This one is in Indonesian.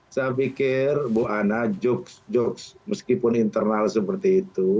saya pikir bu ana jokes jokes meskipun internal seperti itu